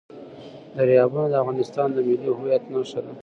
دریابونه د افغانستان د ملي هویت نښه ده.